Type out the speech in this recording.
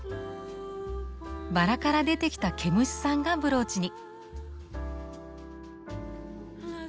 バラから出てきた毛虫さんがブローチに。